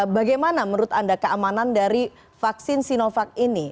bagaimana menurut anda keamanan dari vaksin sinovac ini